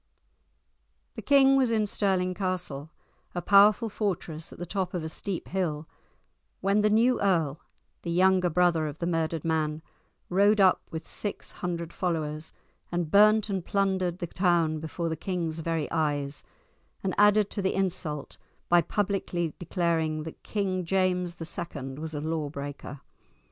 The king was in Stirling Castle, a powerful fortress at the top of a steep hill, when the new earl, the younger brother of the murdered man, rode up with six hundred followers, and burnt and plundered the town before the king's very eyes, and added to the insult by publicly declaring that King James II. was a law breaker.